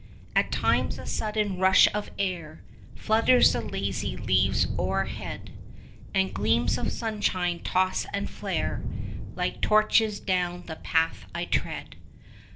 At times a sudden rush of air Flutters the lazy leaves o'erhead, 10 And gleams of sunshine toss and flare Like torches down the path I tread.